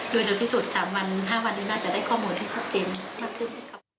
โดยเร็วที่สุด๓๕วันนี้น่าจะได้ข้อมูลที่ชัดเจนมากขึ้นครับ